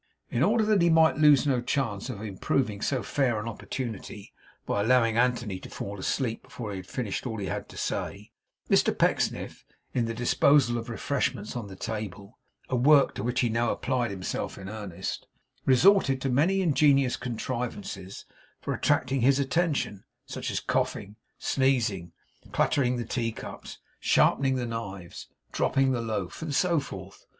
In order that he might lose no chance of improving so fair an opportunity by allowing Anthony to fall asleep before he had finished all he had to say, Mr Pecksniff, in the disposal of the refreshments on the table, a work to which he now applied himself in earnest, resorted to many ingenious contrivances for attracting his attention; such as coughing, sneezing, clattering the teacups, sharpening the knives, dropping the loaf, and so forth.